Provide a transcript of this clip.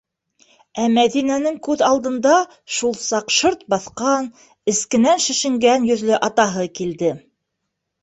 Ә Мәҙинәнең күҙ алдында шул саҡ шырт баҫҡан, эскенән шешенгән йөҙлө атаһы килде.